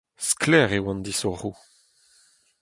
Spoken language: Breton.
Sklaer eo an disorc'hoù.